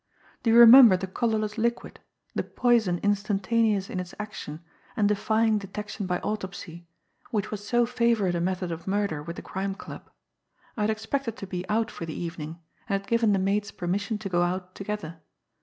"Do you remember the colourless liquid, the poison instantaneous in its action and defying detection by autopsy, which was so favourite a method of murder with the Crime Club? I had expected to be out for the evening, and had given the maids permission to go out together.